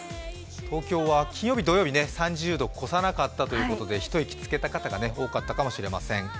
東京は金曜日、土曜日は３０度を超さなかったということで一息つけた方が多かったかもしれません。